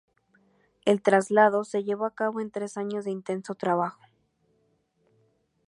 El traslado se llevó a cabo en tres años de intenso trabajo.